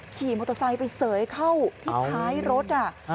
ขี่มอเตอร์ไซค์ไปเสยเข้าที่ท้ายรถ